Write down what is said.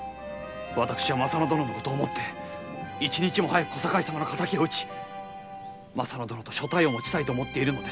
私はまさ乃殿のことを思って一日も早く小堺様の敵を討ちまさ乃殿と所帯をもちたいと思っているのです。